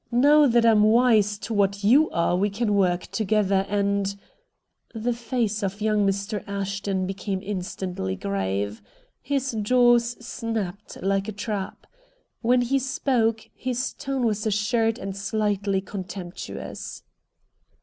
Now that I'm wise to what YOU are we can work together and " The face of young Mr. Ashton became instantly grave. His jaws snapped like a trap. When he spoke his tone was assured and slightly contemptuous.